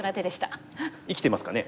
これは生きてますかね？